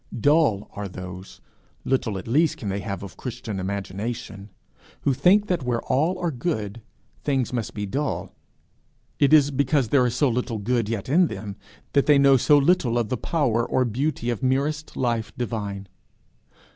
Dull are those, little at least can they have of Christian imagination, who think that where all are good, things must be dull. It is because there is so little good yet in them, that they know so little of the power or beauty of merest life divine.